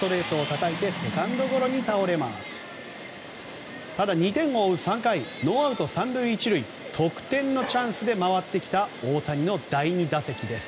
ただ、２点を追う３回ノーアウト３塁１塁得点のチャンスで回ってきた大谷の第２打席です。